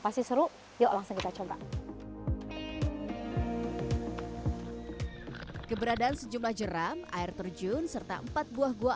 pasti seru yuk langsung kita coba keberadaan sejumlah jeram air terjun serta empat buah buah